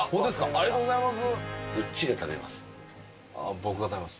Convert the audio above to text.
ありがとうございます。